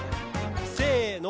せの。